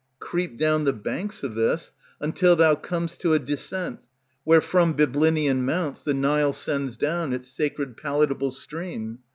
Creep down the banks of this, until thou com'st To a descent, where from Byblinian mounts The Nile sends down its sacred palatable stream.